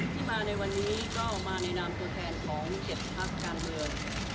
ที่มาในวันนี้ก็มาในนามตัวแทนของ๗พักการเมือง